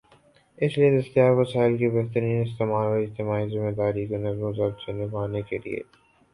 اس لئے دستیاب وسائل کے بہترین استعمال اور اجتماعی ذمہ داری کو نظم و ضبط سے نبھانے کے لئے